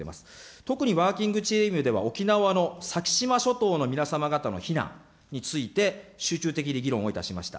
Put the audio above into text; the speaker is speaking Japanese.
特にワーキングチームでは、沖縄の先島諸島の皆様方の避難について、集中的に議論をいたしました。